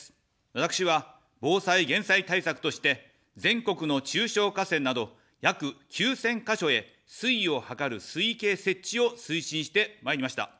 私は防災減災対策として、全国の中小河川など、約９０００か所へ水位を測る水位計設置を推進してまいりました。